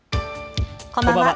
こんばんは。